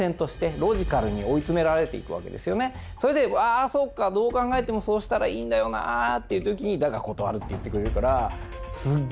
それでああそうかどう考えてもそうしたらいいんだよなぁっていう時に「だが断る」って言ってくれるからすっげ